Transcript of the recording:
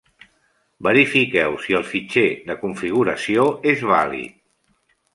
Verifiqueu si el fitxer de configuració és vàlid.